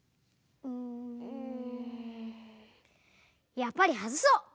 やっぱりはずそう！